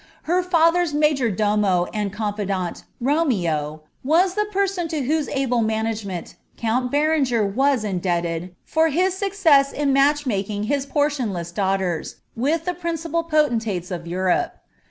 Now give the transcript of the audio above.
Her fiither^s major domo and confidant, Romeo,' was the person to whose able management count Berenger was indebted for his success in match ing his portionless daughters, with the principal potentates of Europe.